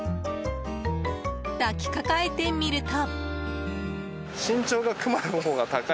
抱きかかえてみると。